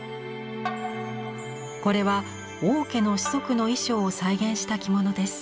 これは王家の子息の衣装を再現した着物です。